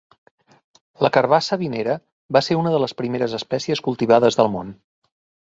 La carabassa vinera va ser una de les primeres espècies cultivades del món.